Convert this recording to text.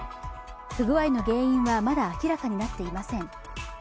不具合の原因はまだ明らかになっていません。